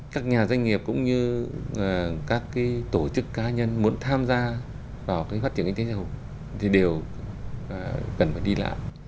các nhà doanh nghiệp cũng như các tổ chức cá nhân muốn tham gia vào cái phát triển kinh tế xã hội thì đều cần phải đi lại